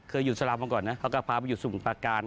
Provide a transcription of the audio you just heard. เคยอยู่สลามมาก่อนนะเขาก็พาไปอยู่สมุทรประการ